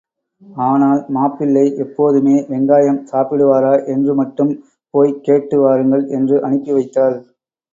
ஆனால் மாப்பிள்ளை எப்போதுமே வெங்காயம் சாப்பிடுவாரா? என்று மட்டும் போய்க் கேட்டு வாருங்கள் என்று அனுப்பிவைத்தாள்.